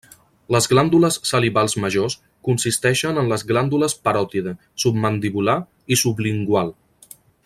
Les glàndules salivals majors consisteixen en les glàndules paròtide, submandibular i sublingual.